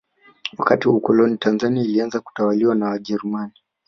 wakati wa ukoloni tanzania ilianza kutawaliwa na wajerumani